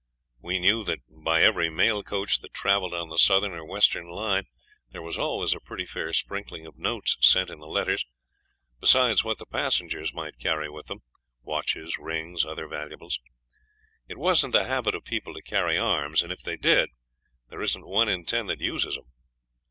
We knew that by every mail coach that travelled on the Southern or Western line there was always a pretty fair sprinkling of notes sent in the letters, besides what the passengers might carry with them, watches, rings, and other valuables. It wasn't the habit of people to carry arms, and if they did, there isn't one in ten that uses 'em.